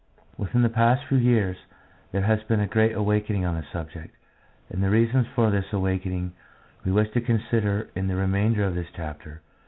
Within the past few years there has been a great awakening on the subject, and the reasons for this awakening we wish to consider in the remainder of this chapter.